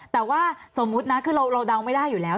แต่ว่าสมมุตินะคือเราเดาไม่ได้อยู่แล้ว